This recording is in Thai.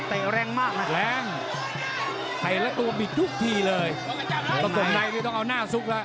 ต่อเรวแรงมากนะครับต่อตรงใดต้องเอาหน้าซุกละ